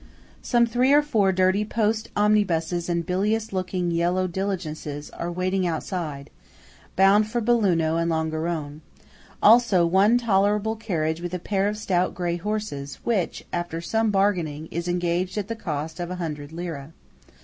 Some three or four dirty post omnibuses and bilious looking yellow diligences are waiting outside, bound for Belluno and Longarone; also one tolerable carriage with a pair of stout grey horses, which, after some bargaining, is engaged at the cost of a hundred lire.